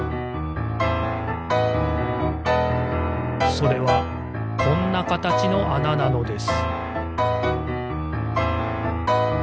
それはこんなかたちのあななのです